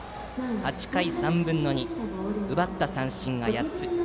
８回３分の２奪った三振は８つ。